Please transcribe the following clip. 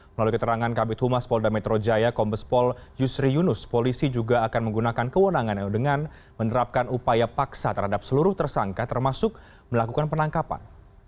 melalui keterangan kabit humas polda metro jaya kombespol yusri yunus polisi juga akan menggunakan kewenangannya dengan menerapkan upaya paksa terhadap seluruh tersangka termasuk melakukan penangkapan